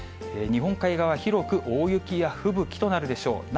日本海側、広く大雪や吹雪となるでしょう。